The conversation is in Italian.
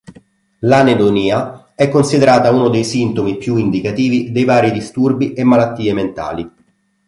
L'anedonia è considerata uno dei sintomi più indicativi dei vari disturbi e malattie mentali.